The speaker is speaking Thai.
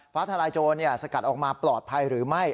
ฟ้าทะลายโจรเนี่ยสกัดออกมาปลอดภัยหรือไม่